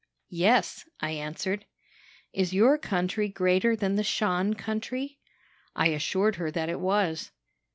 "'Yes,' I answered. "'Is your country greater than the Shan country?' "I assured her that it was.